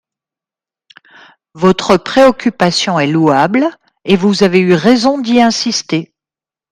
Votre préoccupation est louable, et vous avez eu raison d’y insister.